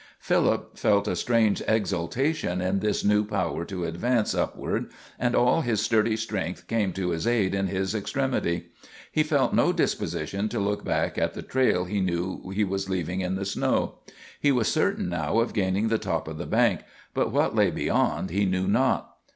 Philip felt a strange exultation in this new power to advance upward, and all his sturdy strength came to his aid in his extremity. He felt no disposition to look back at the trail he knew he was leaving in the snow. He was certain now of gaining the top of the bank, but what lay beyond he knew not.